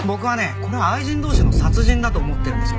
これは愛人同士の殺人だと思ってるんですよ。